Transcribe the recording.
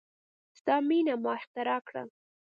ستا میینه ما اختراع کړه